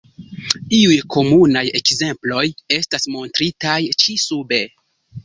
Iuj komunaj ekzemploj estas montritaj ĉi sube.